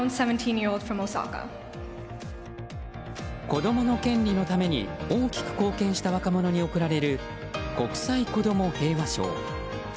子供の権利のために大きく貢献した若者に贈られる国際子ども平和賞。